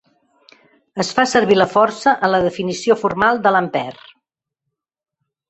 Es fa servir la força en la definició formal de l'ampere.